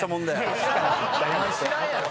お前知らんやろ。